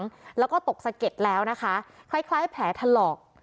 ทางด้านหลังแล้วก็ตกสะเก็ดแล้วนะคะคล้ายแผลถลอก